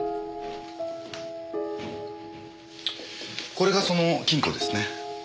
これがその金庫ですね。